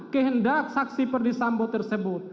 kehendak saksi perdisambo tersebut